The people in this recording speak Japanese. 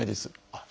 あっ